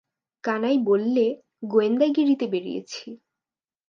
কানাই বললে, গোয়েন্দাগিরিতে বেরিয়েছি।